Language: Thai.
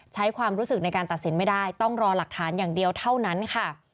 ใช้ความรู้สึกในการตัดสินไม่ได้ต้องรอหลักฐานอย่างเดียวเท่านั้นค่ะ